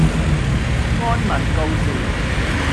安民告示